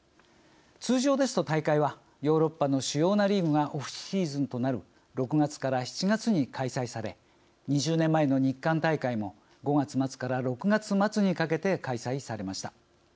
通常ですと大会はヨーロッパの主要なリーグがオフシーズンとなる６月から７月に開催され２０年前の日韓大会も５月末から６月末にかけて開催されました。